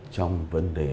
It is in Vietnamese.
trong vấn đề